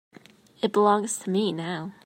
It belongs to me now.